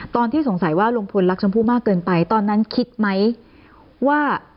ตอนที่สงสัยว่าลุงพลรักชมพู่มากเกินไปตอนนั้นคิดไหมว่า